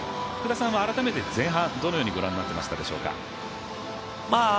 改めて前半、どのようにご覧になっていましたでしょうか。